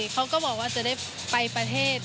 เขาก็บอกว่าจะได้ไปประเทศ